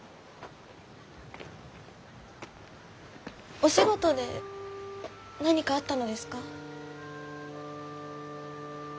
お仕事で何かあったのですか？